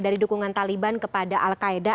dari dukungan taliban kepada al qaeda